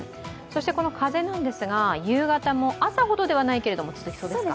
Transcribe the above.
この風ですが、夕方も、朝ほどではないけれども、続きそうですか。